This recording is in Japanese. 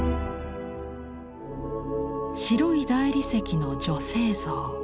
白い大理石の女性像。